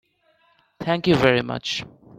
Thank you very much.